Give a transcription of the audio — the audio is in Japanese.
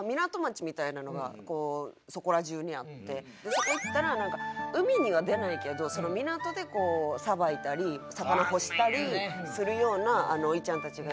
そこ行ったら海には出ないけど港でさばいたり魚干したりするようなおいちゃんたちがいて。